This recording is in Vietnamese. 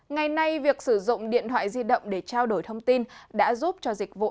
ngày nay việc sử dụng điện thoại di động để trao đổi thông tin đã giúp cho dịch vụ